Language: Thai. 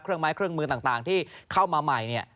เครื่องไม้เครื่องมือต่างที่เข้ามาใหม่